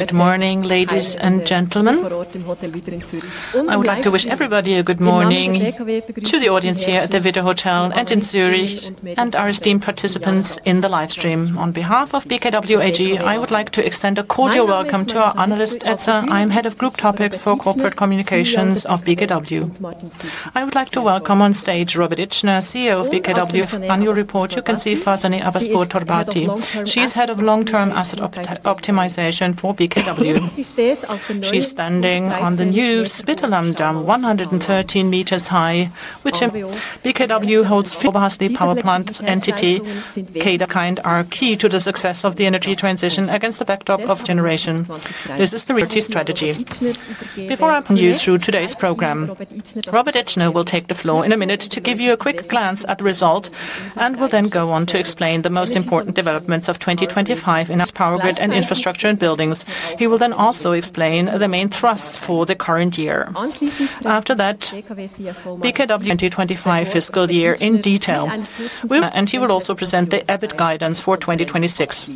Good morning, ladies and gentlemen. I would like to wish everybody a good morning to the audience here at the Widder Hotel and in Zurich, and our esteemed participants in the live stream. On behalf of BKW AG, I would like to extend a cordial welcome to our analyst. Marisa Fetzer, I am Head of Group Topics for Corporate Communications of BKW. I would like to welcome on stage Robert Itschner, CEO of BKW. Annual report, you can see Farzaneh Abbaspourtorbati. She's Head of Long-Term Asset Optimization for BKW. She's standing on the new Spitallamm Dam, 113 meters high, which BKW holds vast hydropower plant entity. CapEx investments are key to the success of the energy transition against the backdrop of generation. This is the Solutions 2030 strategy. Before I continue through today's program, Robert Itschner will take the floor in a minute to give you a quick glance at the result, and will then go on to explain the most important developments of 2025 in its Power Grid and infrastructure and buildings. He will then also explain the main thrusts for the current year. After that, BKW 2025 fiscal year in detail. He will also present the EBIT guidance for 2026.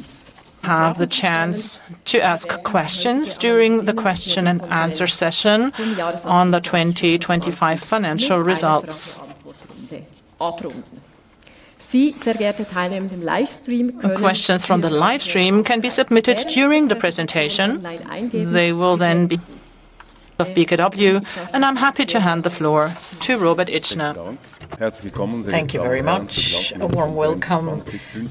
Have the chance to ask questions during the question and answer session on the 2025 financial results. Questions from the live stream can be submitted during the presentation. They will then be of BKW, and I'm happy to hand the floor to Robert Itschner. Thank you very much. A warm welcome,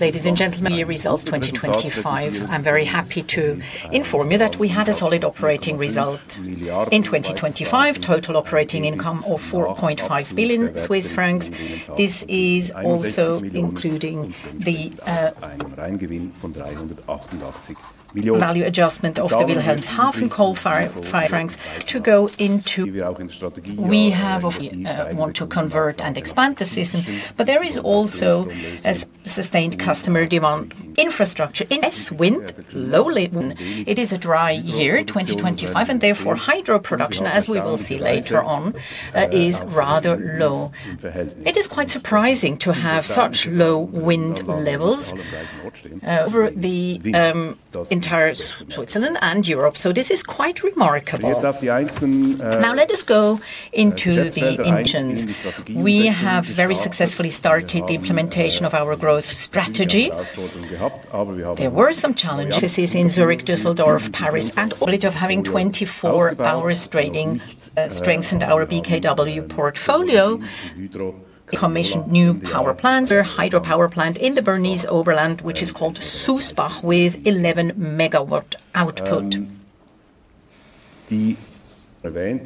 ladies and gentlemen. Results 2025. I'm very happy to inform you that we had a solid operating result in 2025. Total operating income of 4.5 billion Swiss francs. This is also including the value adjustment of the Wilhelmshaven coal-fired power plant. We want to convert and expand the system, but there is also a sustained customer demand. Infrastructure in this wind, low laden. It is a dry year, 2025, and therefore hydro production, as we will see later on, is rather low. It is quite surprising to have such low wind levels over the entire Switzerland and Europe. This is quite remarkable. Now let us go into the engines. We have very successfully started the implementation of our growth strategy. There were some challenges. This is in Zürich, Düsseldorf, Paris, and of having 24-hour trading strengthened our BKW portfolio. Commissioned new power plants. Their hydropower plant in the Bernese Oberland, which is called Sousbach, with 11 MW output.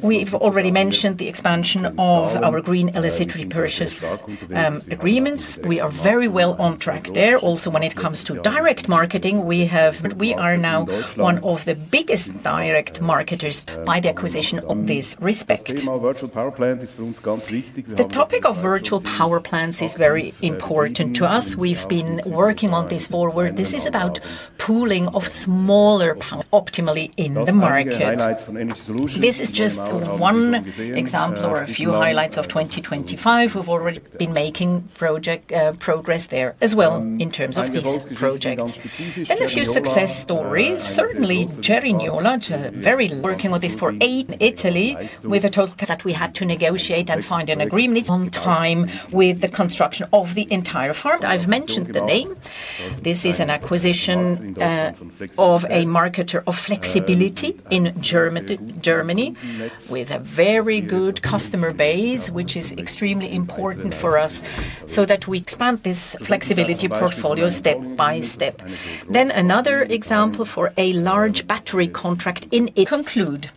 We've already mentioned the expansion of our green electricity purchase agreements. We are very well on track there. Also, when it comes to direct marketing, we are now one of the biggest direct marketers by the acquisition of CKW. The topic of virtual power plants is very important to us. We've been working on this forward. This is about pooling of smaller power optimally in the market. This is just one example or a few highlights of 2025. We've already been making project progress there as well in terms of these projects. A few success stories. Certainly, Cerignola, we're working with this for eight. Italy with a total that we had to negotiate and find an agreement on time with the construction of the entire farm. I've mentioned the name. This is an acquisition of a marketer of flexibility in Germany with a very good customer base, which is extremely important for us so that we expand this flexibility portfolio step by step. Another example for a large battery contract in conclusion.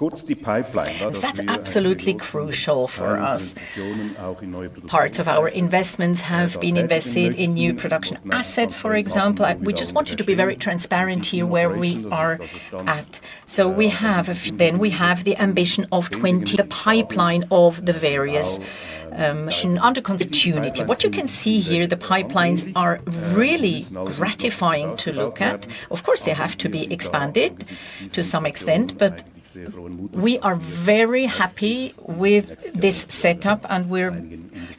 That's absolutely crucial for us. Parts of our investments have been invested in new production assets, for example. We just wanted to be very transparent here where we are at. We have the ambition of 20. The pipeline of the various acquisitions under construction. What you can see here, the pipelines are really gratifying to look at. Of course, they have to be expanded to some extent, but we are very happy with this setup, and we're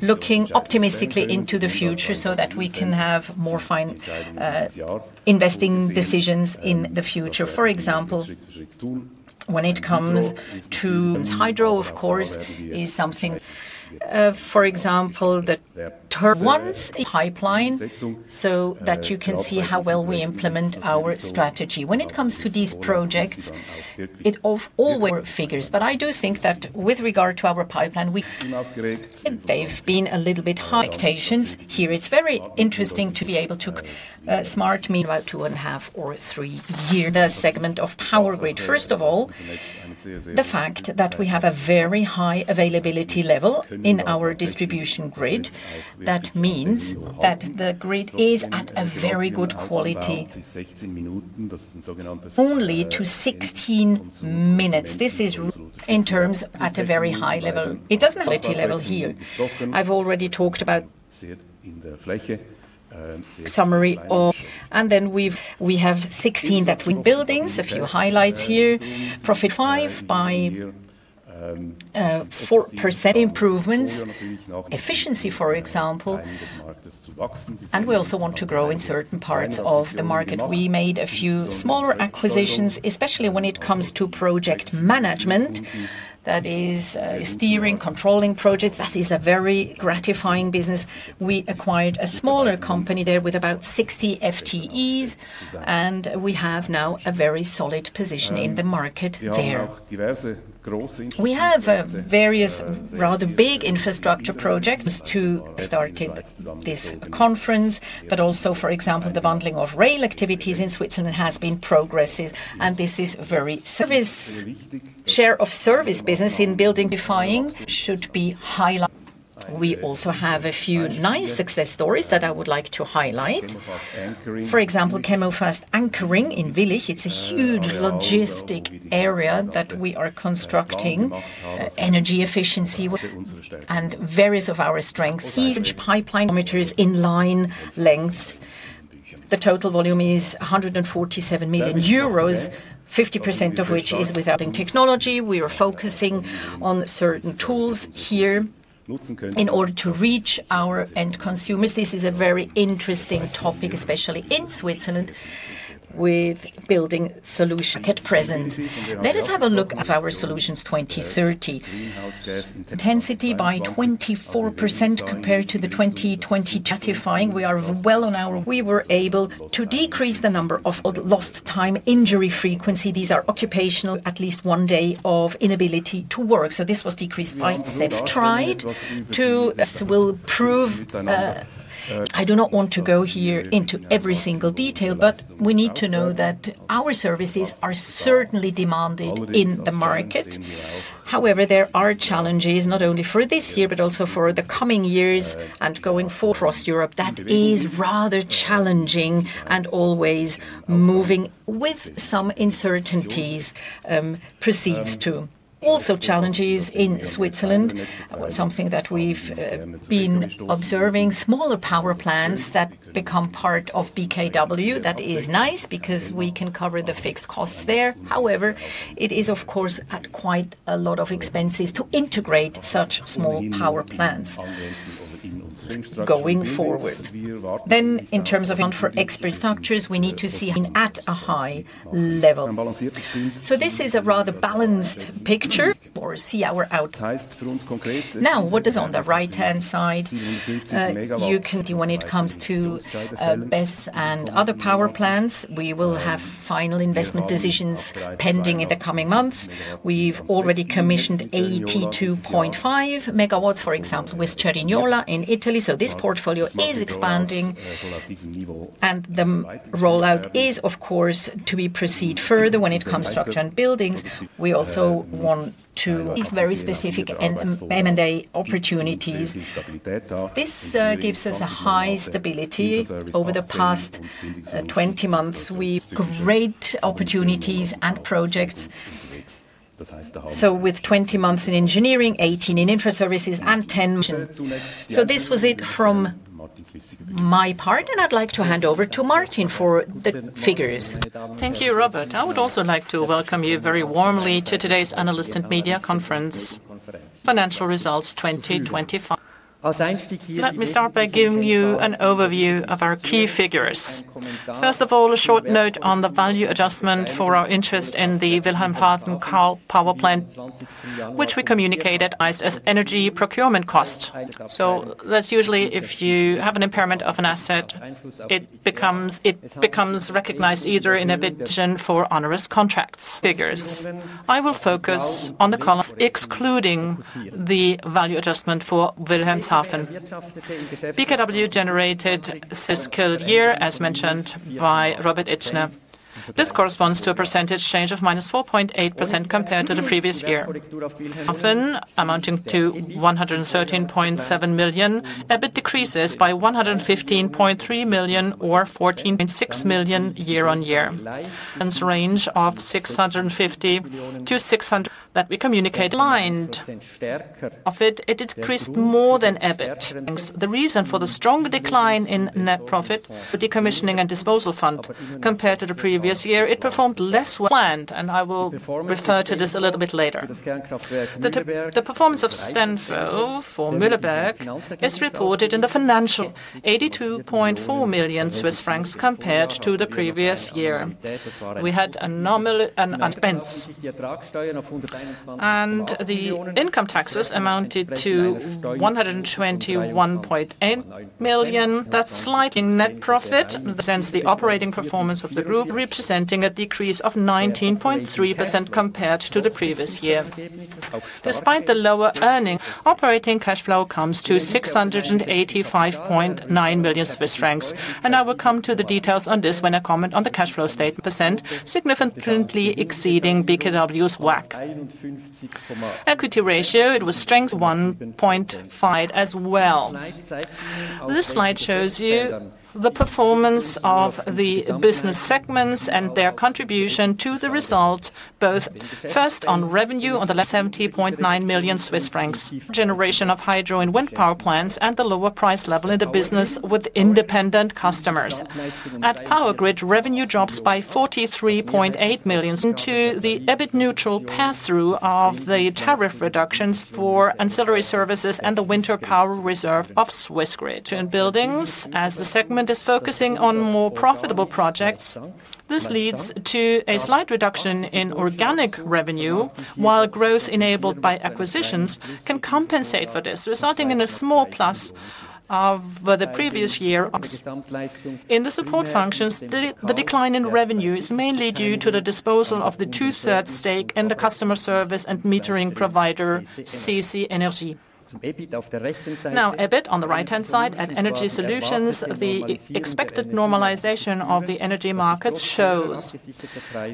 looking optimistically into the future so that we can have more fine investing decisions in the future. For example, when it comes to hydro, of course is something for example the investment pipeline, so that you can see how well we implement our strategy. When it comes to these projects, it always figures. I do think that with regard to our pipeline, expectations have been a little bit high here, it's very interesting to be able to smart meter rollout about 2.5 or three years. The Power Grid segment. First of all, the fact that we have a very high availability level in our distribution grid. That means that the grid is at a very good quality. Only to 16 minutes. This is in terms at a very high level. It doesn't have a high level here. I've already talked about summary of. Then we have 16 that we buildings, a few highlights here. Profit by five for per se improvements, efficiency, for example. We also want to grow in certain parts of the market. We made a few smaller acquisitions, especially when it comes to project management. That is steering, controlling projects. That is a very gratifying business. We acquired a smaller company there with about 60 FTEs, and we have now a very solid position in the market there. We have various rather big infrastructure projects to starting this conference, but also, for example, the bundling of rail activities in Switzerland has been progressive, and this is very service. We also have a few nice success stories that I would like to highlight. For example, CHEMOFAST Anchoring in Willich. It's a huge logistics area that we are constructing. Energy efficiency and various of our strengths. E.g., pipeline meters in line lengths. The total volume is 147 million euros, 50% of which is without technology. We are focusing on certain tools here in order to reach our end consumers. This is a very interesting topic, especially in Switzerland with building solutions at present. Let us have a look at our Solutions 2030. Intensity by 24% compared to 2022. Gratifying, we are well on our way. We were able to decrease the number of lost time injury frequency. These are occupational, at least one day of inability to work. This was decreased. This will prove I do not want to go here into every single detail, but we need to know that our services are certainly demanded in the market. However, there are challenges not only for this year, but also for the coming years and going forward. Across Europe, that is rather challenging and always moving with some uncertainties, prices too. Also challenges in Switzerland, something that we've been observing. Smaller power plants that become part of BKW, that is nice because we can cover the fixed costs there. However, it is of course at quite a lot of expenses to integrate such small power plants going forward. In terms of expert structures, we need to see at a high level. This is a rather balanced picture overall. Now, what is on the right-hand side, you can. When it comes to BESS and other power plants, we will have final investment decisions pending in the coming months. We've already commissioned 82.5 MW, for example, with Cerignola in Italy, so this portfolio is expanding and the rollout is of course to proceed further when it comes to structure and buildings. We also want very specific M&A opportunities. This gives us a high stability. Over the past 20 months, we've great opportunities and projects. With 20 months in engineering, 18 in info services, and 10. This was it from my part, and I'd like to hand over to Martin for the figures. Thank you, Robert. I would also like to welcome you very warmly to today's Analyst and Media Conference, Financial Results 2025. Let me start by giving you an overview of our key figures. First of all, a short note on the value adjustment for our interest in the Wilhelmshaven coal power plant, which we communicated as energy procurement cost. That's usually if you have an impairment of an asset, it becomes recognized either in EBIT for onerous contracts figures. I will focus on the columns excluding the value adjustment for Wilhelmshaven. BKW generated this fiscal year, as mentioned by Robert Itschner. This corresponds to a percentage change of -4.8% compared to the previous year. EBIT, amounting to 113.7 million, decreases by 115.3 million, or 14.6%, year-over-year. Range of 650-600. That we communicate blind. Of it decreased more than EBIT. The reason for the stronger decline in net profit, the Decommissioning and Disposal Fund, compared to the previous year, it performed less well than planned, and I will refer to this a little bit later. The performance of STENFO for Mühleberg is reported in the financial 82.4 million Swiss francs compared to the previous year. We had a normal expense. The income taxes amounted to 121.8 million. That's slight in net profit. Presents the operating performance of the group, representing a decrease of 19.3% compared to the previous year. Despite the lower earnings, operating cash flow comes to 685.9 million Swiss francs, and I will come to the details on this when I comment on the cash flow statement. % significantly exceeding BKW's WACC. Equity ratio, it was strong at 1.5 as well. This slide shows you the performance of the business segments and their contribution to the result, both first on revenue of the 70.9 million Swiss francs. Generation of hydro and wind power plants and the lower price level in the business with independent customers. At Power Grid, revenue drops by 43.8 million due to the EBIT neutral pass-through of the tariff reductions for ancillary services and the winter power reserve of Swissgrid. In buildings, as the segment is focusing on more profitable projects, this leads to a slight reduction in organic revenue, while growth enabled by acquisitions can compensate for this, resulting in a small plus of the previous year. In the support functions, the decline in revenue is mainly due to the disposal of the two-thirds stake in the customer service and metering provider, CKW. Now, EBIT on the right-hand side at Energy Solutions, the expected normalization of the energy markets shows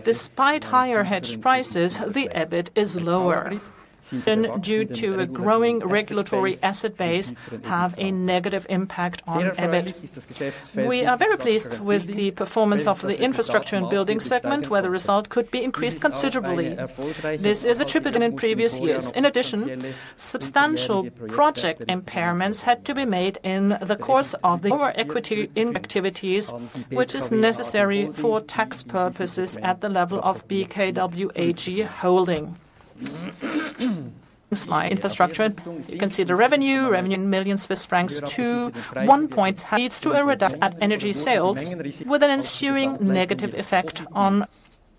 despite higher hedge prices, the EBIT is lower. Due to a growing regulatory asset base has a negative impact on EBIT. We are very pleased with the performance of the infrastructure and building segment, where the result could be increased considerably. This is attributed in previous years. In addition, substantial project impairments had to be made in the course of our equity in activities, which is necessary for tax purposes at the level of BKW AG holding. Slide: Infrastructure. You can see the revenue in millions of 2,101, which leads to a reduction in energy sales with an ensuing negative effect on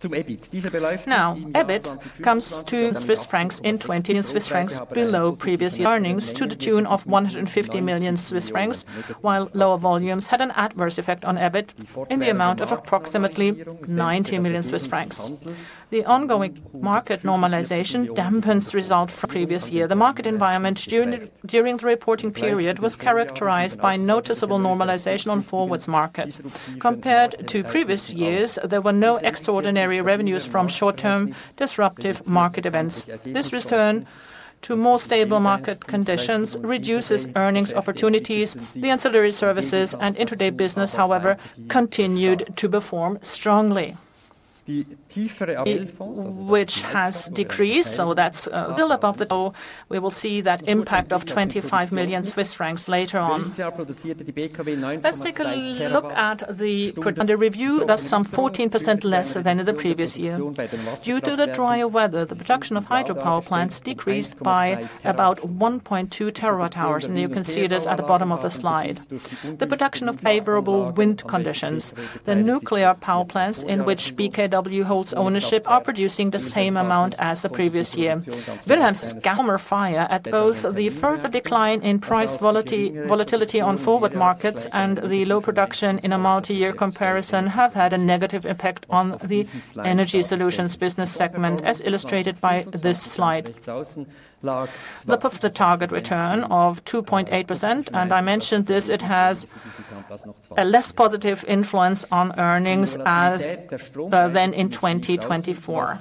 EBIT. Now, EBIT comes to 1,020 million Swiss francs CHF below previous earnings to the tune of 150 million Swiss francs, while lower volumes had an adverse effect on EBIT in the amount of approximately 90 million Swiss francs. The ongoing market normalization dampens result from previous year. The market environment during the reporting period was characterized by noticeable normalization on forward markets. Compared to previous years, there were no extraordinary revenues from short-term disruptive market events. This return to more stable market conditions reduces earnings opportunities. The ancillary services and intraday business, however, continued to perform strongly. Which has decreased, so that's still above the total. We will see that impact of 25 million Swiss francs later on. Let's take a look at the production under review, that's some 14% less than in the previous year. Due to the drier weather, the production of hydropower plants decreased by about 1.2 TWh, and you can see this at the bottom of the slide. Owing to favorable wind conditions, the nuclear power plants in which BKW holds ownership are producing the same amount as the previous year. Furthermore, both the further decline in price volatility on forward markets and the low production in a multi-year comparison have had a negative impact on the Energy Solutions business segment, as illustrated by this slide. Above the target return of 2.8%, I mentioned this, it has a less positive influence on earnings than in 2024.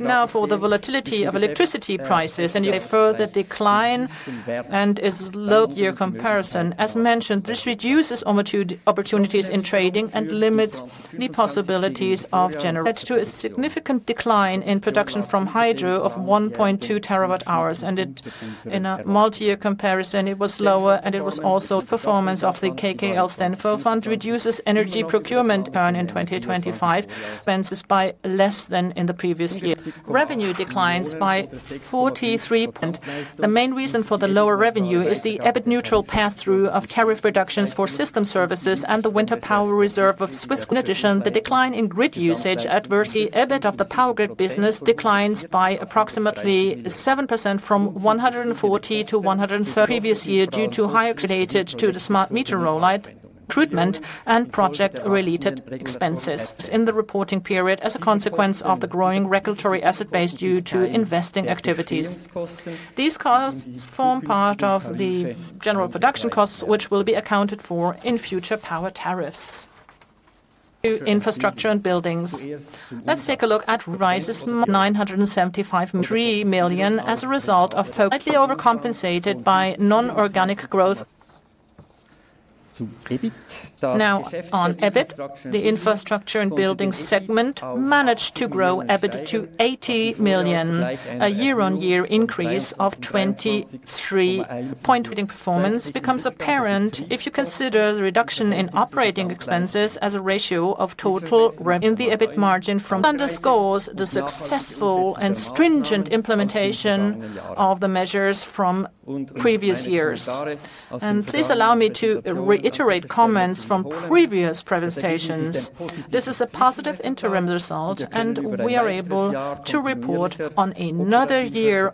Now, for the volatility of electricity prices and a further decline in year-on-year comparison. As mentioned, this reduces opportunities in trading and limits the possibilities of generation due to a significant decline in production from hydro of 1.2 TWh, and, in a multi-year comparison, it was lower, and the performance of the KKL STENFO fund reduces energy procurement earnings in 2025 by less than in the previous year. Revenue declines by 43 points. The main reason for the lower revenue is the EBIT neutral pass-through of tariff reductions for system services and the winter power reserve of Switzerland. In addition, the decline in grid usage adversely, EBIT of the Power Grid business declines by approximately 7% from 140 to 130 previous year due to higher costs related to the smart meter rollout and project-related expenses. In the reporting period as a consequence of the growing regulatory asset base due to investing activities. These costs form part of the general production costs, which will be accounted for in future power tariffs. To Infrastructure & Buildings. Let's take a look at rises from 975 to 3 million as a result of. Slightly overcompensated by non-organic growth. Now, on EBIT, the Infrastructure & Buildings segment managed to grow EBIT to 80 million, a year-on-year increase of 23%. Leading performance becomes apparent if you consider the reduction in operating expenses as a ratio of total revenue in the EBIT margin. Underscores the successful and stringent implementation of the measures from previous years. Please allow me to reiterate comments from previous presentations. This is a positive interim result, and we are able to report on another year.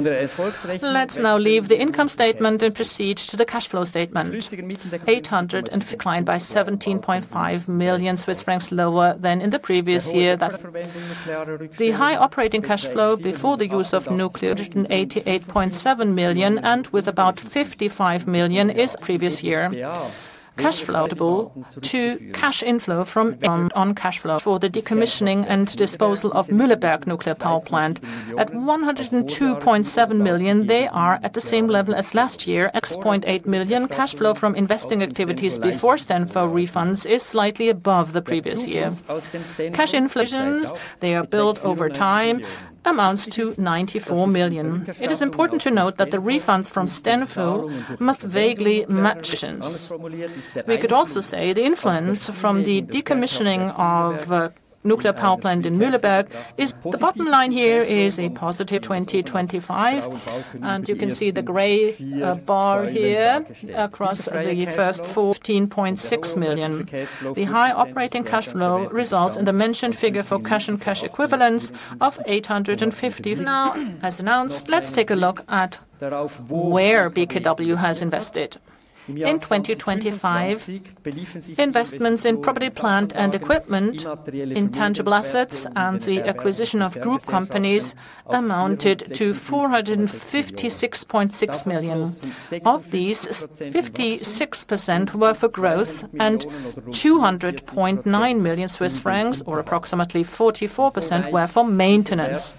Let's now leave the income statement and proceed to the cash flow statement. 800 declined by 17.5 million Swiss francs lower than in the previous year. The high operating cash flow before the use of nuclear, at 88.7 million, and with about 55 million in previous year. Cash flow doubled to cash inflow from investing cash flow for the decommissioning and disposal of Mühleberg nuclear power plant. At 102.7 million, they are at the same level as last year. 102.8 million cash flow from investing activities before STENFO refunds is slightly above the previous year. Cash inflows, they are built over time, amounts to 94 million. It is important to note that the refunds from STENFO must largely match the expenses. We could also say the influence from the decommissioning of nuclear power plant in Mühleberg is the bottom line here is a positive 25, and you can see the gray bar here across the first 14.6 million. The high operating cash flow results in the mentioned figure for cash and cash equivalents of 850. Now, as announced, let's take a look at where BKW has invested. In 2025, investments in property, plant and equipment, intangible assets, and the acquisition of group companies amounted to 456.6 million. Of these, 56% were for growth and 200.9 million Swiss francs, or approximately 44%, were for maintenance.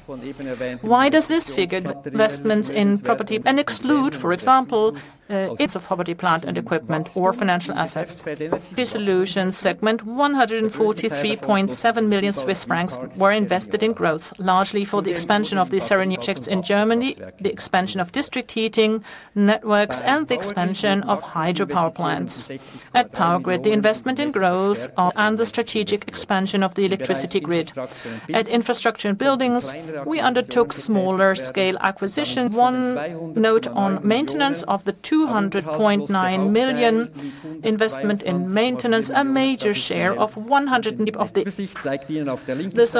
Why does this figure investments in property and exclude, for example, bits of property, plant and equipment or financial assets? Distribution segment 143.7 million Swiss francs were invested in growth, largely for the expansion in Germany, the expansion of district heating networks, and the expansion of hydropower plants. At Power Grid, the investment in growth and the strategic expansion of the electricity grid. At Infrastructure and Buildings, we undertook smaller-scale acquisition. One note on maintenance of the 200.9 million investment in maintenance. This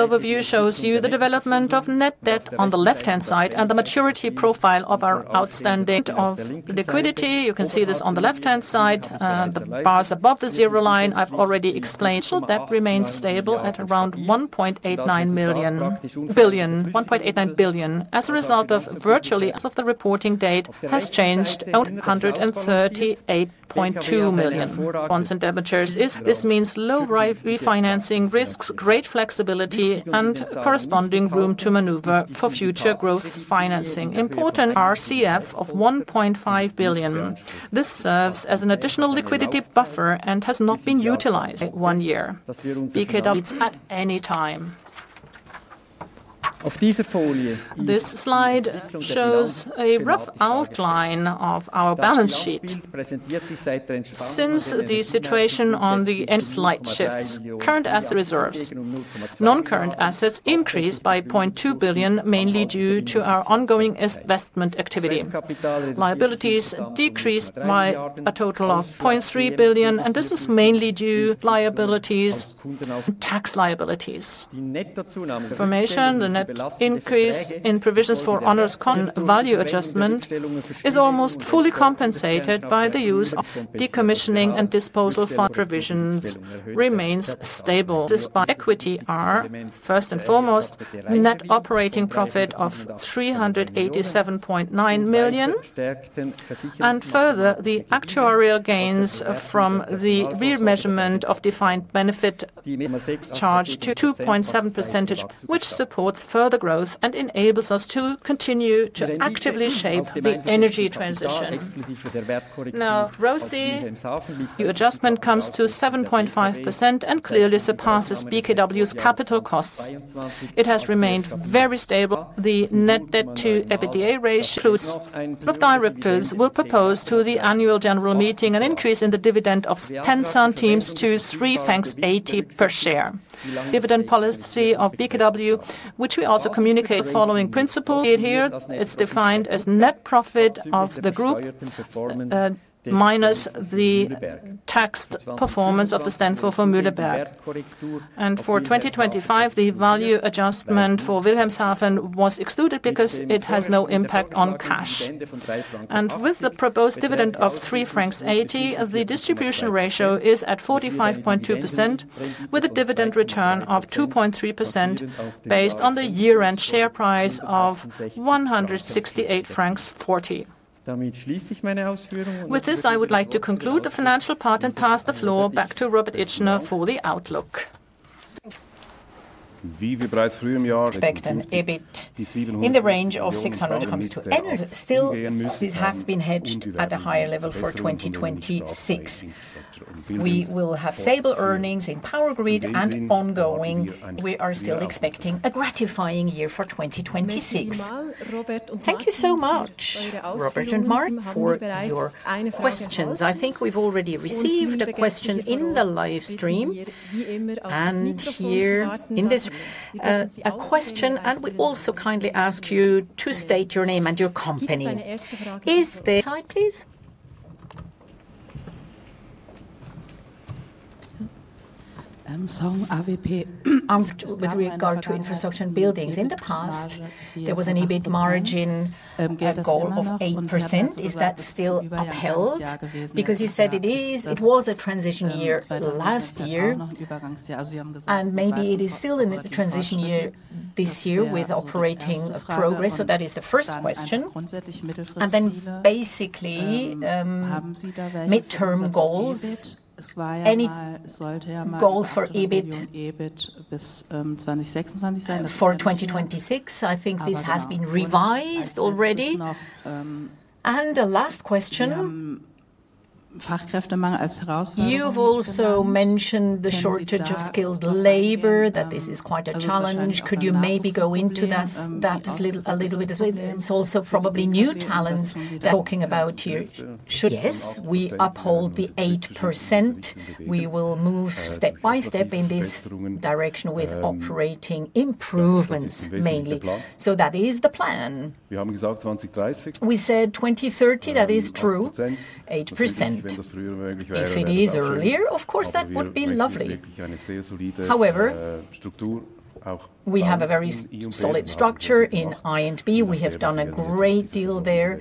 overview shows you the development of net debt on the left-hand side and the maturity profile of our outstandings and liquidity. You can see this on the left-hand side. The bars above the zero line, I've already explained. That remains stable at around 1.89 billion. As a result of virtually as of the reporting date has changed 138.2 million. Bonds and debentures is, this means low refinancing risks, great flexibility, and corresponding room to maneuver for future growth financing. Important RCF of 1.5 billion. This serves as an additional liquidity buffer and has not been utilized in one year. BKW at any time. This slide shows a rough outline of our balance sheet. Since the net debt slightly shifts, current assets and reserves. Non-current assets increased by 0.2 billion, mainly due to our ongoing investment activity. Liabilities decreased by a total of 0.3 billion, and this was mainly due to tax liabilities. In turn, the net increase in provisions for onerous contract value adjustment is almost fully compensated by the use of decommissioning and disposal. Fund provisions remain stable despite. Equity is first and foremost, net operating profit of 387.9 million. Further, the actuarial gains from the remeasurement of defined benefit changes to 2.7%, which supports further growth and enables us to continue to actively shape the energy transition. Now, ROIC, our adjustment comes to 7.5% and clearly surpasses BKW's capital costs. It has remained very stable. The net debt to EBITDA ratio includes. Directors will propose to the annual general meeting an increase in the dividend of 0.10 to 3.80 francs per share. Dividend policy of BKW, which we also communicate following principle. Here, it's defined as net profit of the group minus the taxed performance of the STENFO for Mühleberg. For 2025, the value adjustment for Wilhelmshaven was excluded because it has no impact on cash. With the proposed dividend of 3.80 francs, the distribution ratio is at 45.2% with a dividend return of 2.3% based on the year-end share price of 168.40 francs. With this, I would like to conclude the financial part and pass the floor back to Robert Itschner for the outlook. Expect an EBIT in the range of 600 to 700. Still, these have been hedged at a higher level for 2026. We will have stable earnings in Power Grid and ongoing. We are still expecting a gratifying year for 2026. Thank you so much, Robert and Mark, for your questions. I think we've already received a question in the live stream. Here is a question, and we also kindly ask you to state your name and your company. Sorry, please? AVP with regard to infrastructure and buildings. In the past, there was an EBIT margin goal of 8%. Is that still upheld? Because you said it is, it was a transition year last year, and maybe it is still in a transition year this year with operating progress. That is the first question. Then basically, midterm goals. Any goals for EBIT for 2026? I think this has been revised already. A last question. You've also mentioned the shortage of skilled labor, that this is quite a challenge. Could you maybe go into this a little bit as well? It's also probably new talents talking about here. Yes, we uphold the 8%. We will move step by step in this direction with operating improvements mainly. That is the plan. We said 2030, that is true, 8%. If it is earlier, of course, that would be lovely. However, we have a very solid structure in I&B. We have done a great deal there,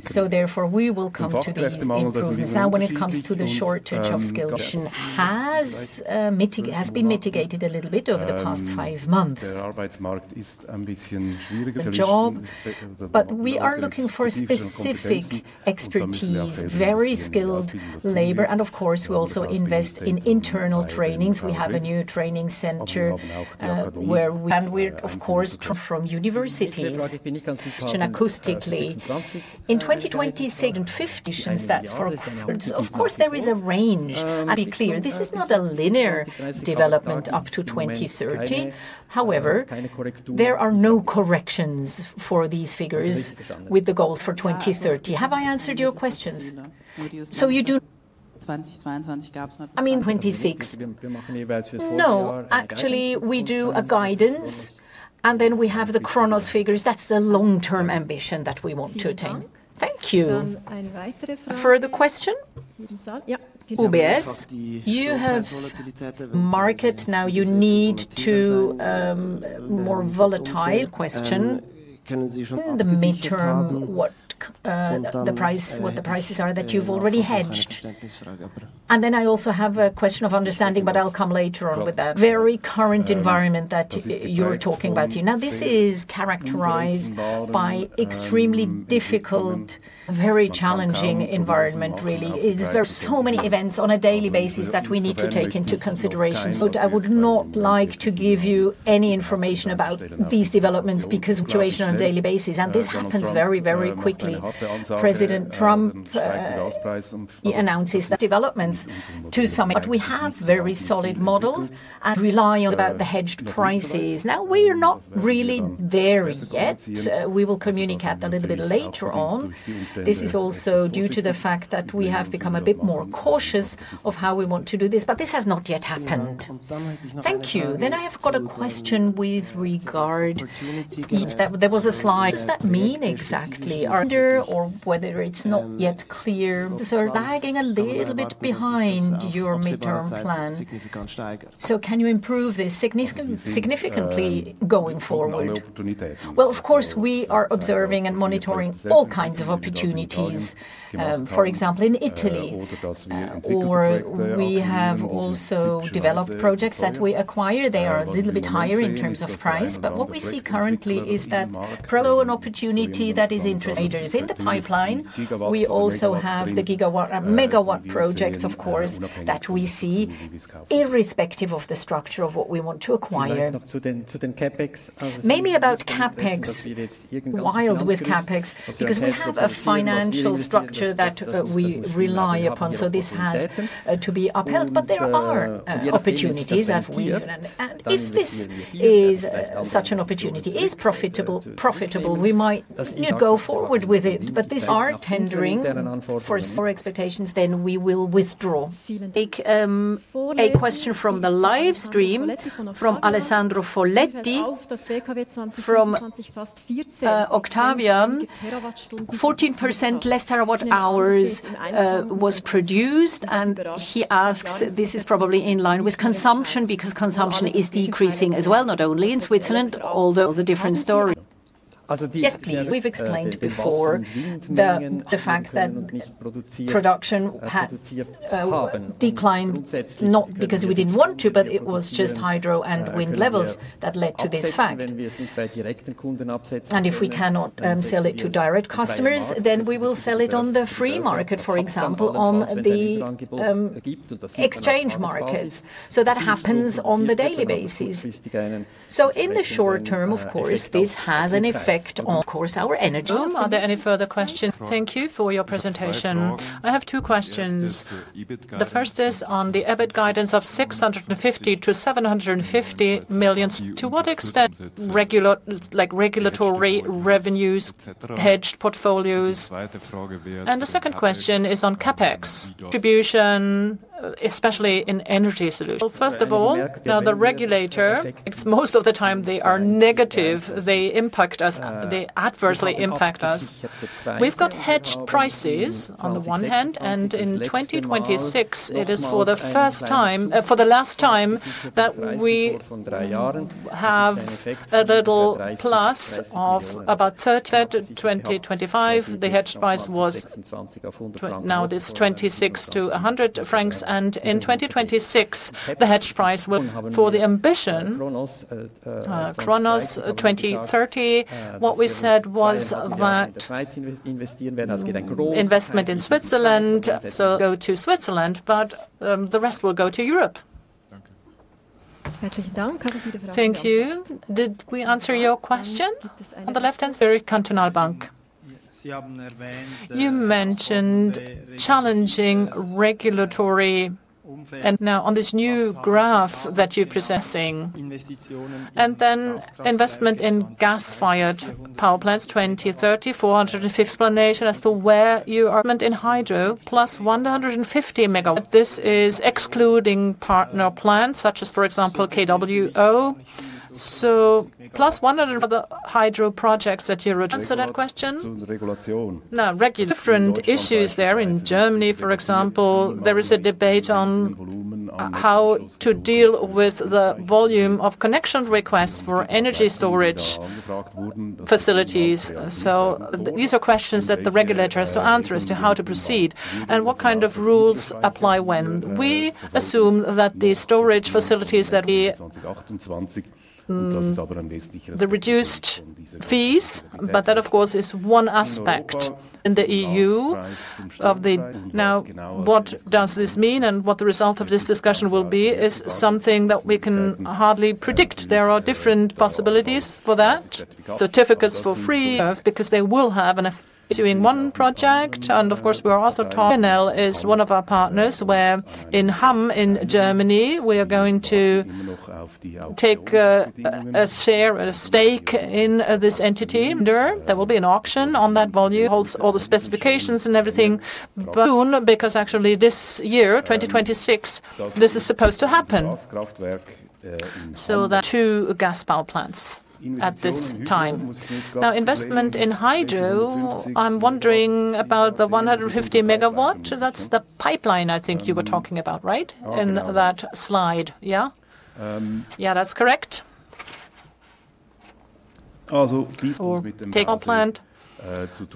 so therefore, we will come to these improvements. Now, when it comes to the shortage of skills, it has been mitigated a little bit over the past five months. But we are looking for specific expertise, very skilled labor, and of course, we also invest in internal trainings. We have a new training center, and we of course recruit from universities. Next question. In 2026. That's of course. Of course, there is a range. To be clear, this is not a linear development up to 2030. However, there are no corrections for these figures with the goals for 2030. Have I answered your questions? I mean, 2026. No. Actually, we do a guidance, and then we have the Kronos figures. That's the long-term ambition that we want to attain. Thank you. Further question? Yeah. UBS. You have market. Now you need to more volatile question. The midterm, the price, what the prices are that you've already hedged. I also have a question of understanding, but I'll come later on with that. Very current environment that you're talking about here. Now, this is characterized by extremely difficult, very challenging environment really. There's so many events on a daily basis that we need to take into consideration. I would not like to give you any information about these developments because situation on a daily basis, and this happens very quickly. President Trump announces the developments to some. We have very solid models, and rely on about the hedged prices. Now, we are not really there yet. We will communicate a little bit later on. This is also due to the fact that we have become a bit more cautious of how we want to do this, but this has not yet happened. Thank you. I have got a question with regard. There was a slide. What does that mean exactly? Whether it's not yet clear. Lagging a little bit behind your midterm plan. Can you improve this significantly going forward? Well, of course, we are observing and monitoring all kinds of opportunities, for example, in Italy. Or we have also developed projects that we acquire. They are a little bit higher in terms of price. But what we see currently is that in the pipeline, we also have the gigawatt and megawatt projects of course that we see irrespective of the structure of what we want to acquire. Maybe about CapEx, wild with CapEx, because we have a financial structure that we rely upon, so this has to be upheld. There are opportunities. If this is such an opportunity, is profitable, we might, you know, go forward with it. If this is tendering for our expectations, then we will withdraw. Take a question from the live stream from Alessandro Foletti from Octavian. 14% less terawatt-hours was produced, and he asks, this is probably in line with consumption because consumption is decreasing as well, not only in Switzerland, although it's a different story. Yes, please. We've explained before the fact that production had declined not because we didn't want to, but it was just hydro and wind levels that led to this fact. If we cannot sell it to direct customers, then we will sell it on the free market, for example, on the exchange markets. That happens on the daily basis. In the short term, of course, this has an effect on, of course, our energy. Are there any further questions? Thank you for your presentation. I have two questions. The first is on the EBIT guidance of 650 million-750 million. To what extent regular, like regulatory revenues, hedged portfolios? And the second question is on CapEx. Distribution, especially in Energy Solutions. Well, first of all, now the regulator, it's most of the time they are negative. They impact us. They adversely impact us. We've got hedged prices on the one hand, and in 2026, it is for the first time, for the last time that we have a little plus of about 30. 2025, the hedged price was now it is 26-100 francs, and in 2026, the hedged price will. For the ambition, Solutions 2030, what we said was that investment in Switzerland, so go to Switzerland, but the rest will go to Europe. Thank you. Did we answer your question? On the left-hand side, Berner Kantonalbank. You mentioned challenging regulatory. Now on this new graph that you're processing. Then investment in gas-fired power plants, 2030, 450 explanation as to where you are. In hydro plus 150 megawatt. This is excluding partner plants such as, for example, KWO. Plus one other. The hydro projects that you originate. Did we answer that question? Regulation. Now different issues there. In Germany, for example, there is a debate on how to deal with the volume of connection requests for energy storage facilities. These are questions that the regulator has to answer as to how to proceed and what kind of rules apply when. We assume that the storage facilities that we the reduced fees, but that of course is one aspect in the EU of the. Now, what does this mean and what the result of this discussion will be is something that we can hardly predict. There are different possibilities for that. Because they will have a two-in-one project and of course we are also talking. It is one of our partners where in Hamm in Germany we are going to take a share, a stake in this entity. There will be an auction on that volume. It holds all the specifications and everything. Soon, because actually this year, 2026, this is supposed to happen. The two gas power plants at this time. Now, investment in hydro, I'm wondering about the 150 MW. That's the pipeline I think you were talking about, right? In that slide. Yeah? Yeah, that's correct. For takeover plant.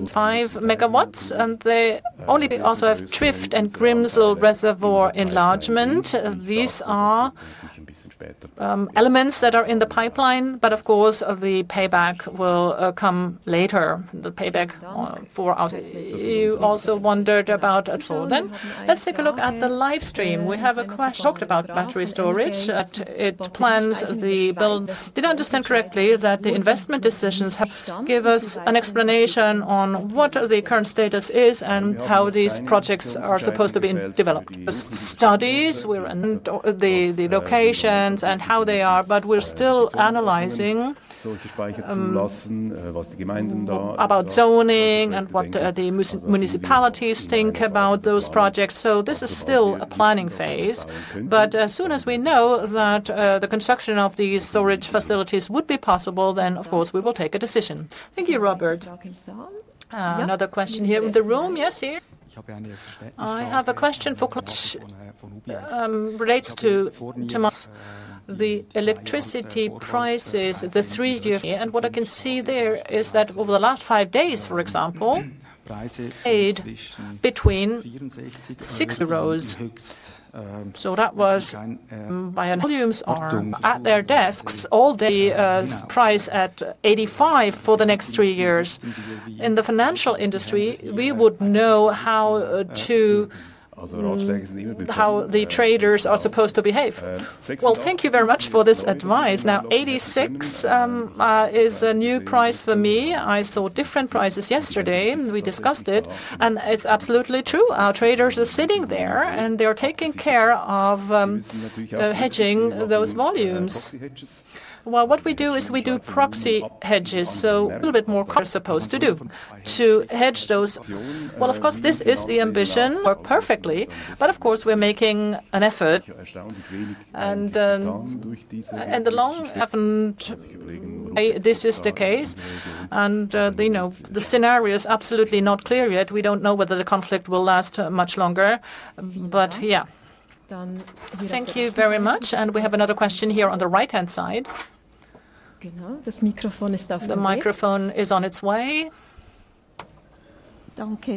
5 MW, and they also have Trift and Grimsel reservoir enlargement. These are elements that are in the pipeline, but of course the payback will come later. The payback for our. You also wondered about. Let's take a look at the live stream. We have a question. Talked about battery storage. And it plans to build. Did I understand correctly that the investment decisions. Give us an explanation on what the current status is and how these projects are supposed to be developed. The locations and how they are, but we're still analyzing about zoning and what the municipalities think about those projects. This is still a planning phase. But as soon as we know that the construction of these storage facilities would be possible, then of course we will take a decision. Thank you, Robert. Another question here in the room. Yes, here. I have a question for Coach, relates to Thomas. The electricity prices, the three-year. What I can see there is that over the last five days, for example, paid between 6 euros. So that was. Volumes are at their desks all day. The price at 85 for the next three years. In the financial industry, we would know how to, how the traders are supposed to behave. Well, thank you very much for this advice. Now 86 is a new price for me. I saw different prices yesterday and we discussed it, and it's absolutely true. Our traders are sitting there and they're taking care of hedging those volumes. Well, what we do is we do proxy hedges, so a little bit more. Are supposed to do to hedge those. Well, of course this is the ambition. Work perfectly. But of course, we're making an effort and This is the case, and you know, the scenario is absolutely not clear yet. We don't know whether the conflict will last much longer, but yeah. Thank you very much. We have another question here on the right-hand side. This microphone is on its way. Thank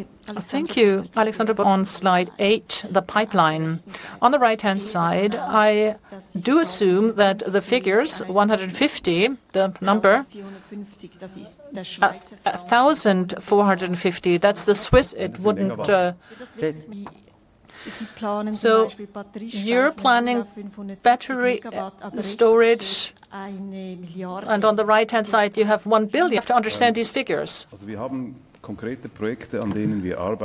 you. Alexander B- On slide eight, the pipeline. On the right-hand side, I do assume that the figures 150, the number, 1,450, that's the Swiss it wouldn't. So you're planning battery storage, and on the right-hand side you have 1 billion. You have to understand these figures.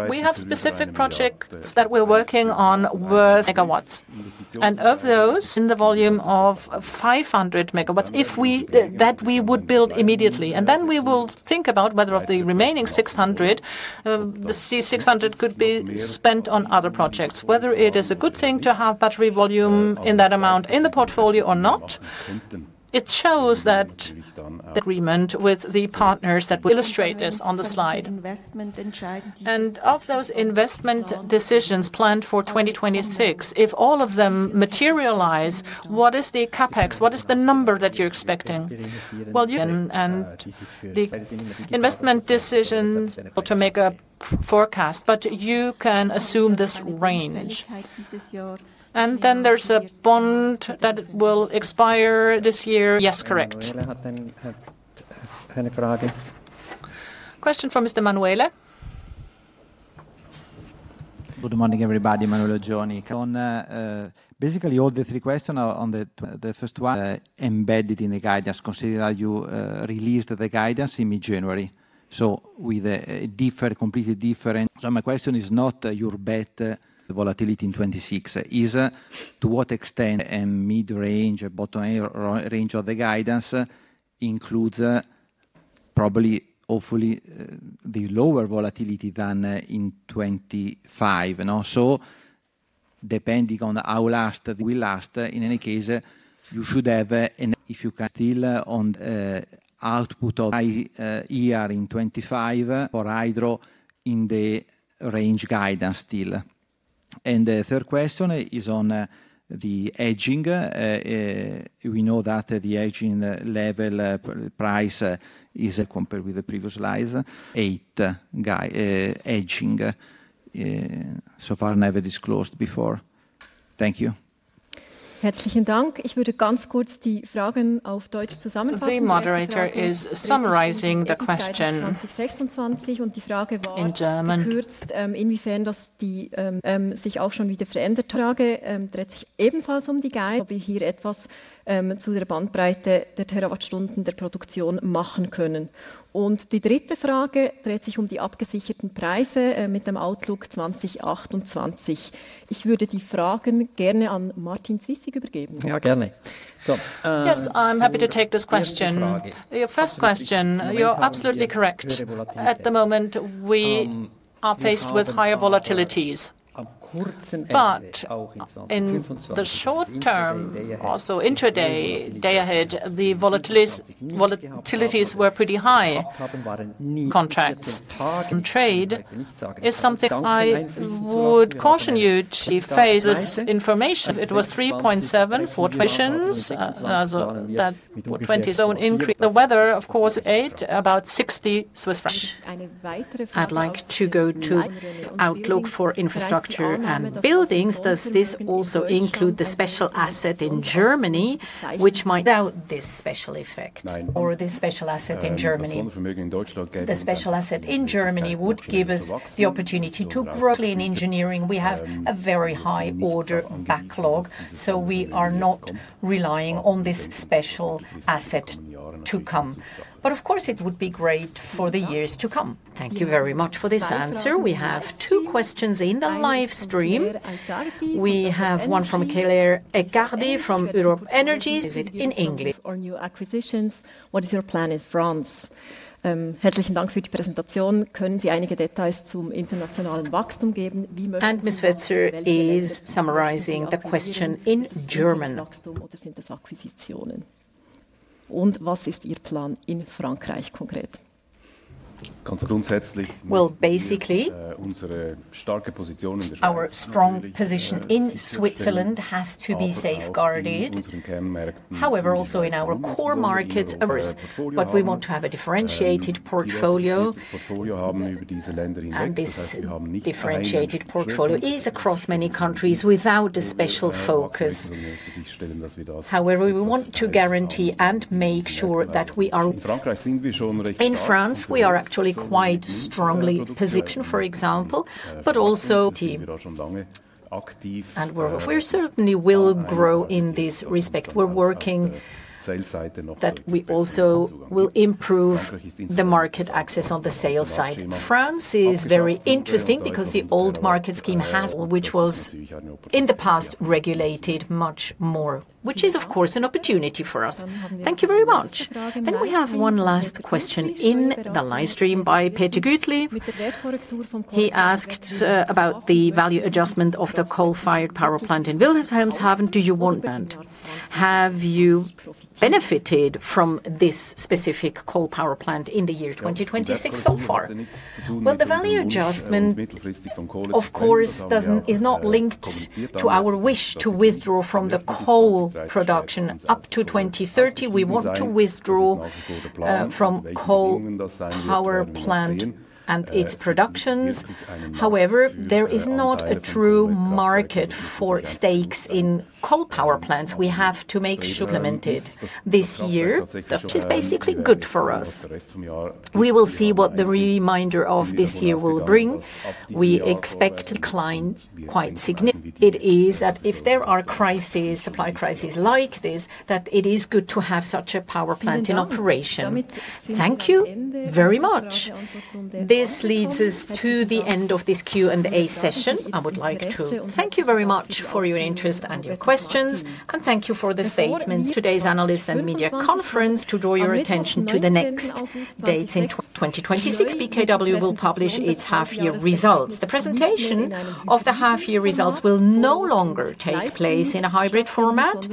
We have specific projects that we're working on worth megawatts, and of those in the volume of 500 MW that we would build immediately, and then we will think about whether of the remaining 600 could be spent on other projects. Whether it is a good thing to have battery volume in that amount in the portfolio or not, it shows that the agreement with the partners that we illustrate this on the slide. Of those investment decisions planned for 2026, if all of them materialize, what is the CapEx? What is the number that you're expecting? Well, you can, and the investment decisions or to make a forecast, but you can assume this range. Then there's a bond that will expire this year. Yes, correct. Question from Mr. Manuela. Good morning, everybody, Manuel Gsell in basically all the three questions, the first one embedded in the guidance, considering that you released the guidance in mid-January. With a different, completely different. My question is not about volatility in 2026, is to what extent the mid-range or bottom range of the guidance includes probably, hopefully, the lower volatility than in 2025, you know. Depending on how long will last, in any case, you should have an. If you can still count on high output in 2025 for hydro in the guidance range still. The third question is on the hedging. We know that the hedging level price is compared with the previous slides, 80% hedging so far never disclosed before. Thank you. Herzlichen Dank. Ich würde ganz kurz die Fragen auf Deutsch zusammenfassen. Yes, I'm happy to take this question. Your first question, you're absolutely correct. At the moment, we are faced with higher volatilities. In the short term, also intraday, day ahead, the volatilities were pretty high. Contracts and trade is something I would caution you to phrase this information. It was 3.7 for transitions, as the 20-zone increase. The weather, of course, added about 60 Swiss francs. I'd like to go to outlook for infrastructure and buildings. Does this also include the special asset in Germany. Without this special effect or this special asset in Germany. The special asset in Germany would give us the opportunity to grow. Clearly in engineering, we have a very high order backlog, so we are not relying on this special asset to come. Of course, it would be great for the years to come. Thank you very much for this answer. We have two questions in the live stream. We have one from Claire Aïcardi from Europ'Energies in English. On new acquisitions, what is your plan in France? Herzlichen Dank für die Präsentation. Können Sie einige Details zum internationalen Wachstum geben? Ms. Fetzer is summarizing the question in German. Well, our strong position in Switzerland has to be safeguarded. However, also in our core markets, a risk. We want to have a differentiated portfolio. This differentiated portfolio is across many countries without a special focus. However, we want to guarantee and make sure that we are in France. We are actually quite strongly positioned, for example, but also team. We certainly will grow in this respect. That we also will improve the market access on the sales side. France is very interesting because the old market scheme, which was in the past regulated much more, which is of course an opportunity for us. Thank you very much. We have one last question in the live stream by Peter Gutley. He asked about the value adjustment of the coal-fired power plant in Wilhelmshaven. Do you want that? Have you benefited from this specific coal power plant in the year 2026 so far? Well, the value adjustment, of course, is not linked to our wish to withdraw from the coal production. Up to 2030, we want to withdraw from coal power plant and its productions. However, there is not a true market for stakes in coal power plants. We have to make sure. Supplemented this year, which is basically good for us. We will see what the remainder of this year will bring. We expect decline quite significantly. It is that if there are crises, supply crises like this, that it is good to have such a power plant in operation. Thank you very much. This leads us to the end of this Q&A session. I would like to thank you very much for your interest and your questions, and thank you for the statements. Today's analyst and media conference. To draw your attention to the next dates in 2026, BKW will publish its half year results. The presentation of the half year results will no longer take place in a hybrid format,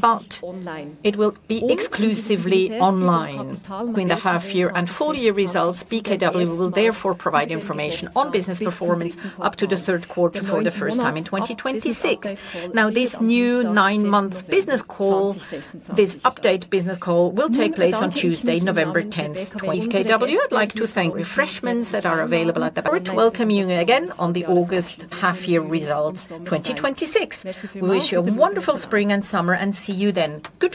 but it will be exclusively online. Between the half-year and full-year results, BKW will therefore provide information on business performance up to the third quarter for the first time in 2026. This new nine-month business call, this update business call, will take place on Tuesday, November 10, 2026. I'd like to thank you. Refreshments that are available. To welcome you again to the August half-year results 2026. We wish you a wonderful spring and summer and see you then. Goodbye.